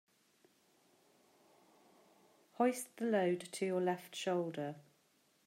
Hoist the load to your left shoulder.